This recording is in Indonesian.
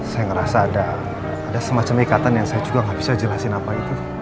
saya ngerasa ada semacam ikatan yang saya juga nggak bisa jelasin apa itu